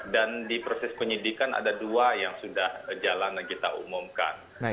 dan di proses penyidikan ada dua yang sudah jalan dan kita umumkan